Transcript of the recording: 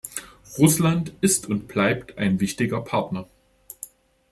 Russland ist und bleibt ein wichtiger Partner.